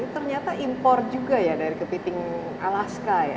ternyata impor juga ya dari kepiting alaska ya